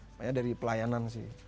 makanya dari pelayanan sih